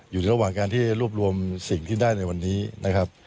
อยู่ระหว่างการที่รวบรวมสิ่งที่ได้ในวันนี้นะครับ